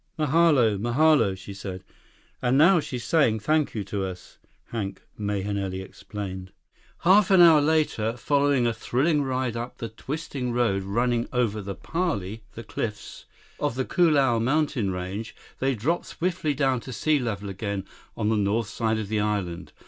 "Mahalo, mahalo," she said. "And now she's saying, 'Thank you,' to us," Hank Mahenili explained. Half an hour later, following a thrilling ride up the twisting road running over the pali, the cliffs, of the Koolau Mountain range, they dropped swiftly down to sea level again on the north side of the island.